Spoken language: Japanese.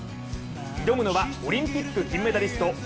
挑むのはオリンピック銀メダリスト。